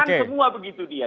semua begitu dia